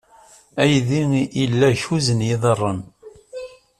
Aydi ila kuẓ n yiḍarren.